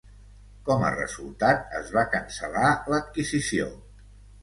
Com a resultat, es va cancel·lar l'adquisició.